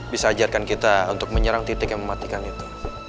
bisa ajarkan kita untuk menyerang titik yang mematikan itu